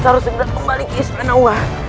kita harus segera kembali ke islam allah